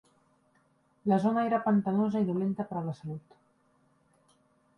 La zona era pantanosa i dolenta per a la salut.